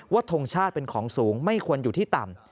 ทงชาติเป็นของสูงไม่ควรอยู่ที่ต่ำ